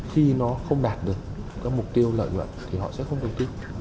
khi nó không đạt được các mục tiêu lợi nhuận thì họ sẽ không đầu tư